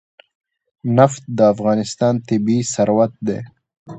نفت د افغانستان طبعي ثروت دی.